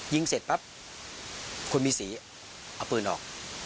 ยิงเสร็จปั๊บคนมีสีเอาปืนออก